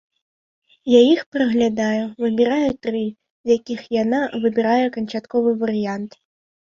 Я іх праглядаю, выбіраю тры, з якіх яна выбірае канчатковы варыянт.